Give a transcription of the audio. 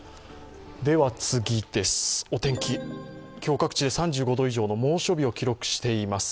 お天気、今日、各地で３５度以上の猛暑日を記録しています。